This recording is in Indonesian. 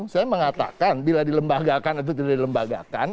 saya mengatakan bila dilembagakan atau tidak dilembagakan